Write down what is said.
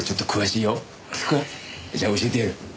じゃあ教えてやる。